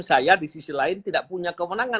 saya di sisi lain tidak punya kewenangan